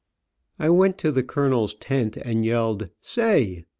I went to the colonel's tent and yelled "Say!